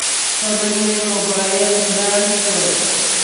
پرون مې موبایل گران شو.